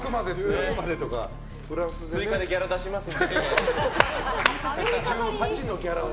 追加でギャラ出しますんで。